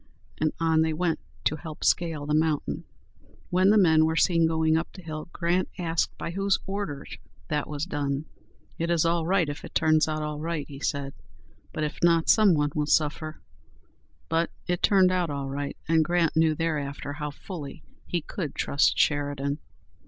and on they went, to help scale the mountain. When the men were seen going up the hill, Grant asked by whose orders that was done? "It is all right if it turns out all right," he said; "but if not, some one will suffer." But it turned out all right, and Grant knew thereafter how fully he could trust Sheridan.